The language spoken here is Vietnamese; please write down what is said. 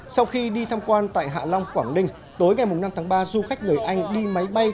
sau khi đi tham quan tại hạ long quảng ninh tối ngày năm tháng ba du khách người anh đi máy bay